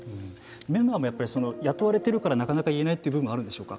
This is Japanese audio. メンバーも雇われているからなかなか言えないというところがあるんでしょうか。